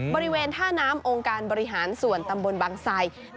บริเวณท่าน้ำองค์การบริหารส่วนตำบลบังไส